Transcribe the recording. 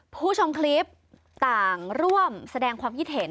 ผู้ชมคลิปต่างร่วมแสดงความคิดเห็น